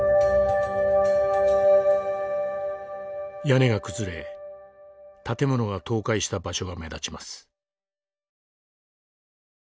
屋根が崩れ建物が倒壊した場所が目立ちます。